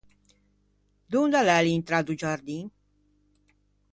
Dond’a l’é l’intrâ do giardin?